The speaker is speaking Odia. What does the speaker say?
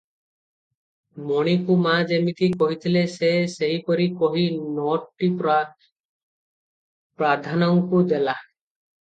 ମଣିକୁ ମା' ଯେମିତି କହିଥିଲେ ସେ ସେହିପରି କହି ନୋଟଟି ପ୍ରାଧାନଙ୍କୁ ଦେଲା ।